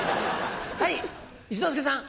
はい一之輔さん。